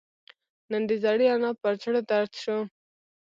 نن د زړې انا پر زړه دړد شو